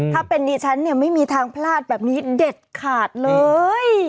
ถ้าเป็นดิฉันเนี่ยไม่มีทางพลาดแบบนี้เด็ดขาดเลย